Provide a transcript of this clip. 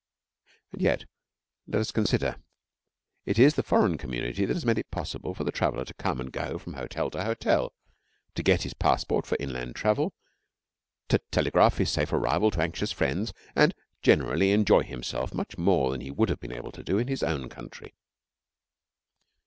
And yet, let us consider. It is the foreign community that has made it possible for the traveller to come and go from hotel to hotel, to get his passport for inland travel, to telegraph his safe arrival to anxious friends, and generally enjoy himself much more than he would have been able to do in his own country.